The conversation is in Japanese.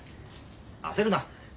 焦るな。